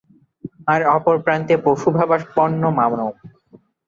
আর অপর প্রান্তে পশুভাবাপন্ন মানব।